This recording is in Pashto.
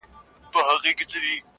هو رشتيا.